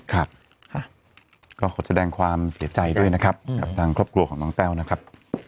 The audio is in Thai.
ครับก็ขอแสดงความเสียใจด้วยนะครับกับทางครอบครัวของน้องแต้วนะครับ